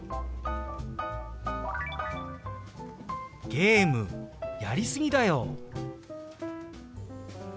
「ゲームやり過ぎだよ！」。